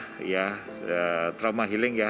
belajar sekolah trauma healing ya